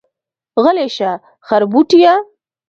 غلی شه خربوټيه.